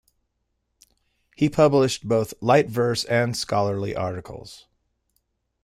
He published both light verse and scholarly articles.